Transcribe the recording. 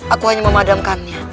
aku hanya memadamkannya